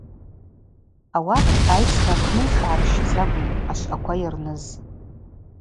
Ауат айсра апны йшгӏарщыз акӏвын ашвъаква йырныз.